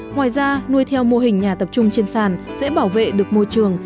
ngoài ra nuôi theo mô hình nhà tập trung trên sàn sẽ bảo vệ được môi trường